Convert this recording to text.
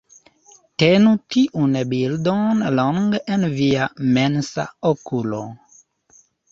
Tenu tiun bildon longe en via mensa okulo